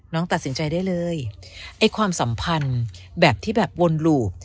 ตัดสินใจได้เลยไอ้ความสัมพันธ์แบบที่แบบวนหลูบ